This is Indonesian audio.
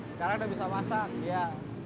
sekarang udah bisa masak ya